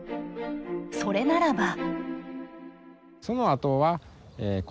それならば。